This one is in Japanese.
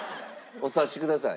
お察しください。